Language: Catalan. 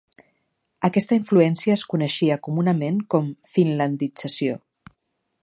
Aquesta influència es coneixia comunament com finlandització.